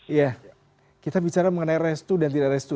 iya kita bicara mengenai restu dan tidak restu